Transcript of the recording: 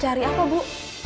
cari aku bu